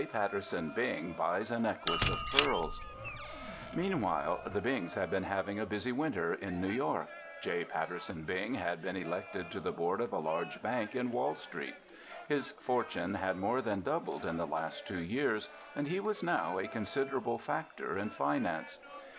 PATTERSON BING BUYS A NECKLACE OF PEARLS Meanwhile, the Bings had been having a busy winter in New York. J. Patterson Bing had been elected to the board of a large bank in Wall Street. His fortune had more than doubled in the last two years and he was now a considerable factor in finance.